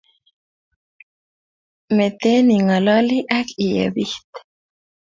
Metee ingalali ak iebit